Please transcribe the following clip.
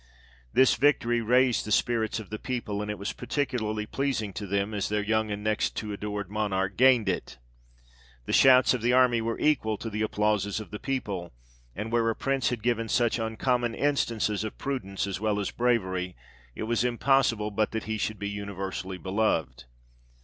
This victory raised the spirits of the people ; and it was particularly pleasing to them, as their young and next to adored Monarch gained it. The shouts of the army were equal to the applauses of the people ; and where a Prince had given such uncommon instances of prudence as well as bravery, it was impossible but that he should be universally beloved.